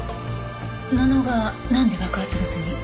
布がなんで爆発物に？